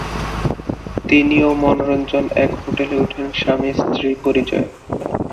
তিনি ও মনোরঞ্জন এক হোটেলে ওঠেন স্বামী-স্ত্রী পরিচয়ে।